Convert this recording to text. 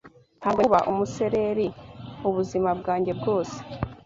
Ntabwo nteganya kuba umusereri ubuzima bwanjye bwose.